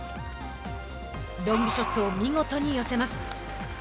ロングショットを見事に寄せます。